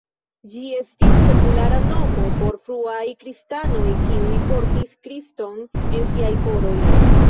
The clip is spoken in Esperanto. Ĝi estis populara nomo por fruaj kristanoj kiuj "portis Kriston en siaj koroj.